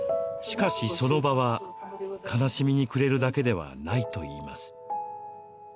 しかし、その場は悲しみに暮れるだけではないといいます。